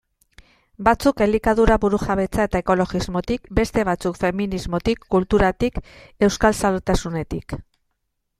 Batzuk elikadura burujabetza eta ekologismotik, beste batzuk feminismotik, kulturatik, euskaltzaletasunetik...